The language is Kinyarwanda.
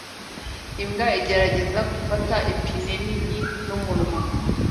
Imbwa igerageza gufata ipine nini n'umunwa